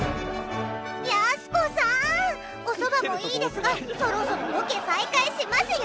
やす子さん！おそばもいいですがそろそろロケ再開しますよ！